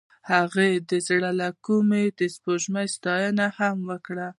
هغې د زړه له کومې د سپوږمۍ ستاینه هم وکړه.